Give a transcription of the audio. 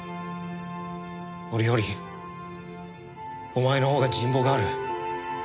俺よりお前のほうが人望がある。